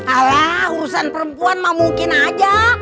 alaa urusan perempuan ma mungkin aja